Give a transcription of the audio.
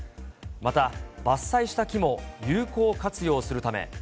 また、伐採した木も有効活用するため。